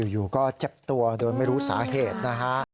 อยู่ก็เจ็บตัวโดยไม่รู้สาเหตุนะฮะ